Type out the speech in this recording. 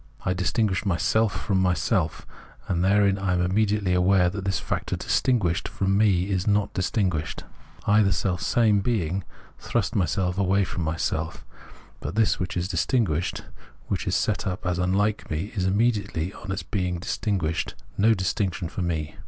I distinguish myself from myself ; and therein I am immediately aware that this factor distinguished from me is not distinguished. I, the selfsame being, thrust myself away from myself ; but this which is dis tinguished, which is set up as unlike me, is imme diately on its being distinguished no distinction for me.